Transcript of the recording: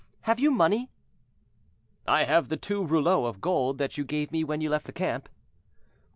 Have you money?" "I have the two rouleaux of gold that you gave me when you left the camp."